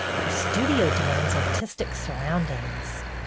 Her Studio demands artistic surroundings.